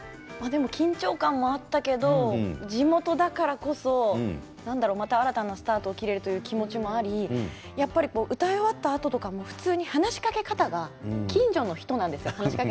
緊張感もあったけど地元だからこそ新たなスタートが切れるという気持ちもあって歌い終わったあと、普通に、話しかけ方が近所の人なんですよ。